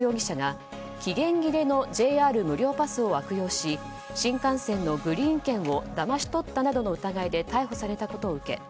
容疑者が期限切れのＪＲ無料パスを悪用し新幹線のグリーン券をだまし取ったなどの疑いで逮捕されたことを受け